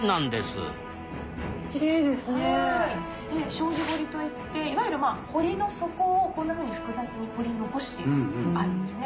「障子掘」といっていわゆるまあ堀の底をこんなふうに複雑に掘り残してあるんですね。